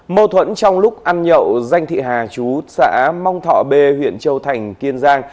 mâu thuẫn trong lúc ăn nhậu danh thị hà chú xã mong thọ b huyện châu thành kiên giang